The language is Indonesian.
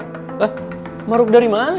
eh maruk dari mana